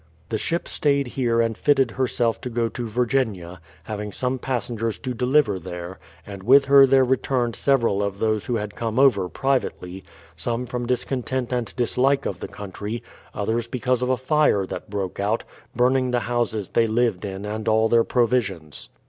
The ship stayed here and fitted herself to go to Virginia, having some passengers to deliver there, and with her there returned several of those who had come over privately, THE PLY^IOUTH SETTLEMENT 129 some from discontent and dislike of the country, others because of a fire that broke out, burning the houses they lived in and all their provisions.